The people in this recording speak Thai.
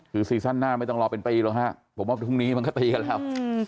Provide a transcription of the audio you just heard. คือซีซั่นหน้าไม่ต้องรอเป็นปีหรอกฮะผมว่าพรุ่งนี้มันก็ตีกันแล้ว